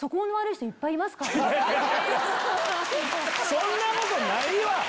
そんなことないわ！